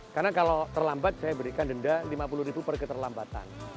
karena kalau terlambat saya berikan denda rp lima puluh per keterlambatan